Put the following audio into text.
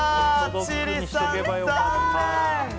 千里さん、残念！